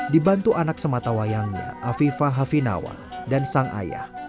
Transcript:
dibantu anak sematawayangnya afifah hafinawa dan sang ayah